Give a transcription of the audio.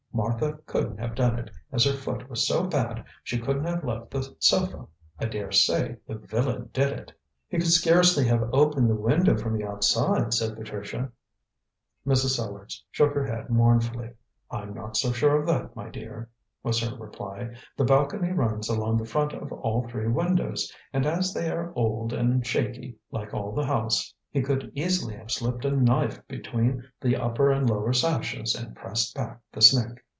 Martha couldn't have done it, as her foot was so bad she couldn't have left the sofa. I daresay the villain did it." "He could scarcely have opened the window from the outside," said Patricia. Mrs. Sellars shook her head mournfully. "I'm not so sure of that, my dear," was her reply. "The balcony runs along the front of all three windows, and as they are old and shaky, like all the house, he could easily have slipped a knife between the upper and lower sashes and pressed back the snick."